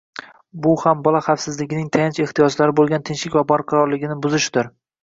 bu ham bola xavfsizligining tayanch ehtiyojlari bo‘lgan tinchlik va barqarorligini buzishdir.